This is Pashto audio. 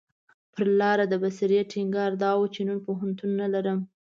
پر لاره د بصیر ټینګار دا و چې نن پوهنتون نه لرم.